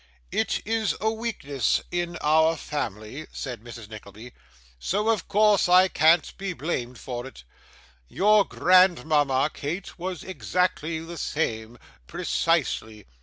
'It's a weakness in our family,' said Mrs. Nickleby, 'so, of course, I can't be blamed for it. Your grandmama, Kate, was exactly the same precisely.